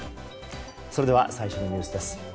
それでは最新のニュースです。